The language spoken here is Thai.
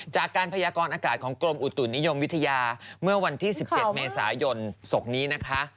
จากการพยากรอากาศของกรมอุตุนิยมวิทยาเมื่อวันที่๑๗เมษายนศพนี้นะคะ